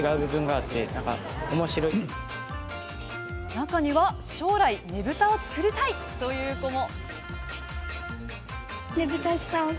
中には将来、ねぶたを作りたいという子も。